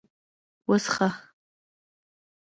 _وڅښه!